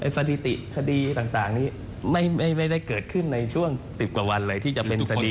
สถิติคดีต่างนี้ไม่ได้เกิดขึ้นในช่วง๑๐กว่าวันเลยที่จะเป็นคดี